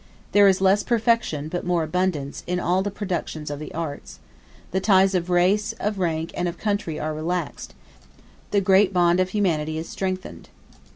There is less perfection, but more abundance, in all the productions of the arts. The ties of race, of rank, and of country are relaxed; the great bond of humanity is strengthened.